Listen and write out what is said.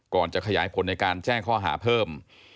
จะขยายผลในการแจ้งข้อหาเพิ่ม